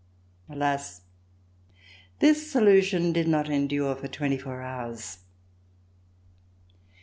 Alas! this illusion did not endure for twenty four hours.